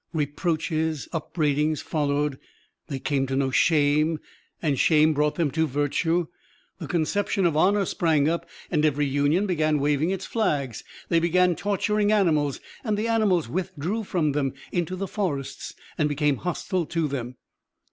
Reproaches, upbraidings followed. They came to know shame, and shame brought them to virtue. The conception of honour sprang up, and every union began waving its flags. They began torturing animals, and the animals withdrew from them into the forests and became hostile to them.